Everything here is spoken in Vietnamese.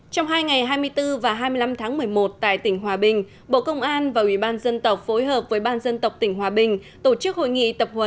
trong hai ngày hai mươi bốn và hai mươi năm tháng một mươi một tại tỉnh hòa bình bộ công an và ủy ban dân tộc phối hợp với ban dân tộc tỉnh hòa bình